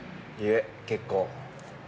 いえ結構。